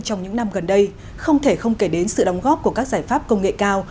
trong những năm gần đây không thể không kể đến sự đóng góp của các giải pháp công nghệ cao